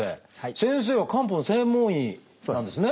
先生は漢方の専門医なんですね？